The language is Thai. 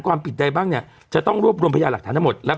ความผิดใดบ้างเนี่ยจะต้องรวบรวมพยาหลักฐานทั้งหมดแล้ว